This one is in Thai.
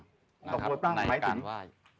ส์คอนต้องตั้งเลย